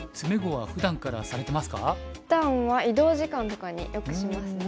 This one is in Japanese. ふだんは移動時間とかによくしますね。